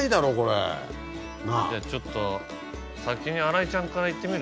じゃあちょっと先に新井ちゃんからいってみる？